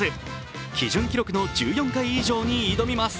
基準記録の１４回以上に挑みます。